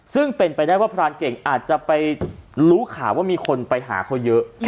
ซึ่งเป็นไปได้ว่าพรานเก่งอาจจะไปรู้ข่าวว่ามีคนไปหาเขาเยอะ